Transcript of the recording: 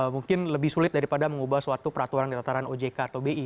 mungkin lebih sulit daripada mengubah suatu peraturan di tataran ojk atau bi